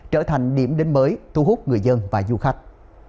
trở thành điểm đến mới thu hút người dân và du khách